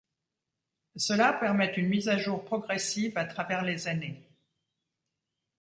Cela permet une mise à jour progressive à travers les années.